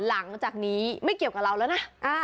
หลังจากนี้ไม่เกี่ยวกับเราแล้วนะ